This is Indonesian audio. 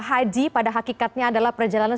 haji pada hakikatnya adalah perjalanan